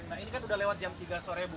nah ini kan udah lewat jam tiga sore bu